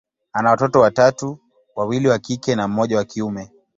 ana watoto watatu, wawili wa kike na mmoja wa kiume.